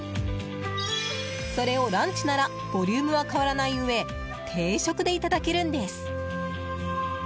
それをランチならボリュームは変わらないうえ定食でいただけるんです。